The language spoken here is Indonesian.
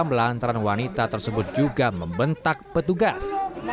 melantaran wanita tersebut juga membentak petugas